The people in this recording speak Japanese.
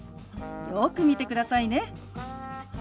よく見てくださいね。